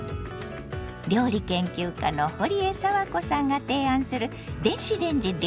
料理研究家のほりえさわこさんが提案する電子レンジ料理。